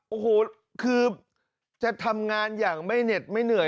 โอ้โหคือจะทำงานอย่างไม่เหน็ดไม่เหนื่อย